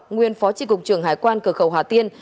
nguyên phó chi cục trường hải quan cửa khẩu hà tiên